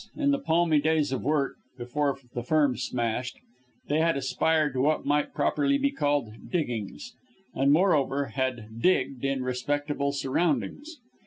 In the palmy days of work, before the firm smashed, they had aspired to what might properly be called diggings; and, moreover, had "digged" in respectable surroundings.